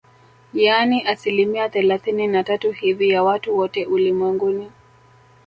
Yaani asilimia thelathini na tatu hivi ya watu wote ulimwenguni